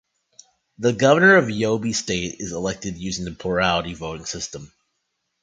The Governor of Yobe State is elected using the plurality voting system.